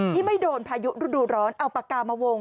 ที่ไม่โดนพายุฤดูร้อนเอาปากกามาวง